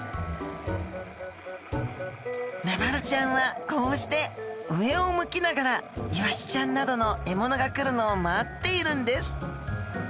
メバルちゃんはこうして上を向きながらイワシちゃんなどの獲物が来るのを待っているんです。